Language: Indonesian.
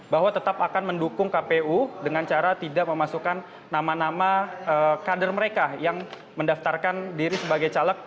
bahwa tetap akan mendukung kpu dengan cara tidak memasukkan nama nama kader mereka yang mendaftarkan diri sebagai caleg